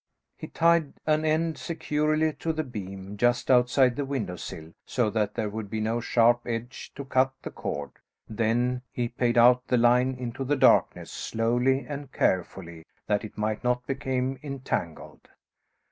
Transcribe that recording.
He tied an end securely to the beam just outside the window sill so that there would be no sharp edge to cut the cord, then he paid out the line into the darkness, slowly and carefully that it might not became entangled.